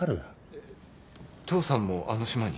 えっ父さんもあの島に？